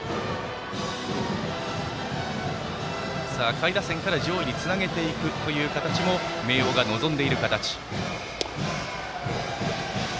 下位打線から上位につなげていく形も明桜が望んでいる形。